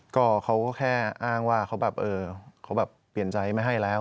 ก็เขาก็แค่อ้างว่าเขาแบบเออเขาแบบเปลี่ยนใจไม่ให้แล้ว